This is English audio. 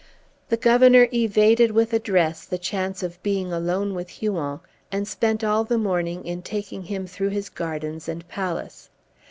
The Governor evaded with address the chance of being alone with Huon and spent all the morning in taking him through his gardens and palace.